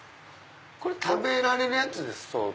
これ食べられるやつですか？